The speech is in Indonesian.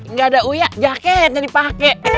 nggak ada uya jaket yang dipakai